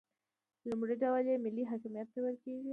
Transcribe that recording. لومړی ډول یې ملي حاکمیت ته ویل کیږي.